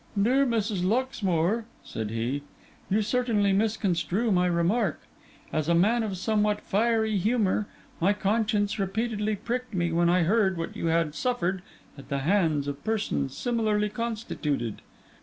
'Dear Mrs. Luxmore,' said he, 'you certainly misconstrue my remark. As a man of somewhat fiery humour, my conscience repeatedly pricked me when I heard what you had suffered at the hands of persons similarly constituted.